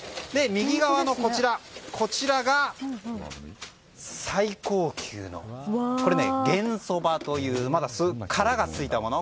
右側の、こちらが最高級のこれ、玄そばというまだ殻がついたもの。